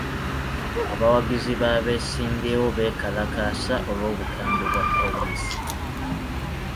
Abawagizi b'abeesimbyewo beekalakaasa olw'obukambwe bwa poliisi.